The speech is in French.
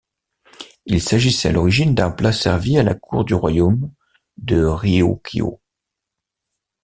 Il s'agissait à l'origine d'un plat servi à la cour du royaume de Ryūkyū.